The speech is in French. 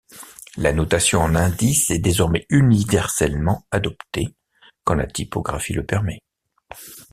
La notation en indice est désormais universellement adoptée quand la typographie le permet.